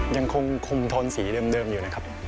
ยังคงคุมโทนสีเดิมอยู่นะครับ